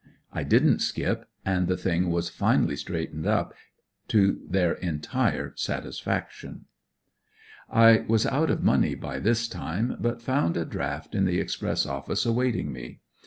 I didn't skip; and the thing was finally straightened up to their entire satisfaction. I was out of money by this time, but found a draft in the express office awaiting me.